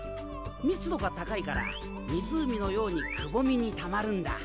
密度が高いから湖のようにくぼみにたまるんだ。